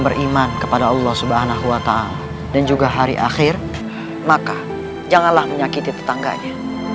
beriman kepada allah subhanahu wa ta'ala dan juga hari akhir maka janganlah menyakiti tetangganya